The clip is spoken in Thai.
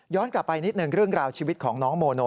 กลับไปนิดหนึ่งเรื่องราวชีวิตของน้องโมโน